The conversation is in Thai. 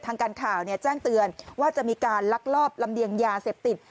ทางการข่าวแจ้งเตือนว่าจะมีการลักลอบลำเลียงยาเสพติด